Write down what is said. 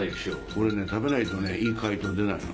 俺ね食べないといい回答出ないの。